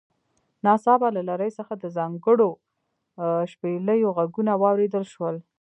ناڅاپه له لرې څخه د ځانګړو شپېلیو غږونه واوریدل شول